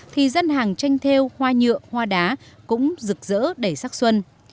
thì dân hàng tranh theo hoa nhựa hoa đá cũng rực rỡ đầy sắc xuân